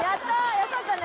よかったね。